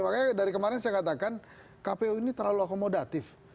makanya dari kemarin saya katakan kpu ini terlalu akomodatif